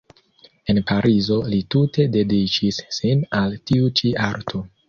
En Parizo li tute dediĉis sin al tiu ĉi arto.